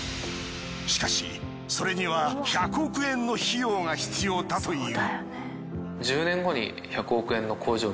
しかしそれには１００億円の費用が必要だという。